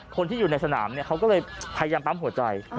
คนที่อยู่ในสนามเขาก็เลยพยายามปั๊มหัวใจ